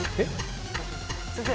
先生！